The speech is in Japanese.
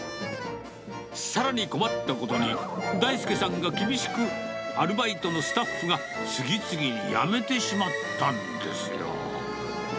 さらに困ったことに、大輔さんが厳しく、アルバイトのスタッフが次々辞めてしまったんですよ。